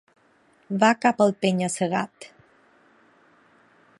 Va cap al penya-segat.